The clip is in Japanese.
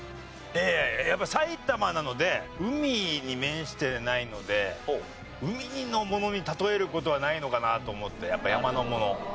いやいややっぱ埼玉なので海に面してないので海のものに例える事はないのかなと思ってやっぱ山のもの